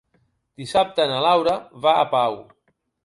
Dissabte na Laura va a Pau.